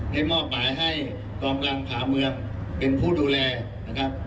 ให้ง่วงปลายให้กองพลังขาเมืองเป็นผู้ดูแลนะครับ